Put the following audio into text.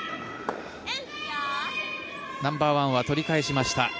ナンバーワンは取り返しました。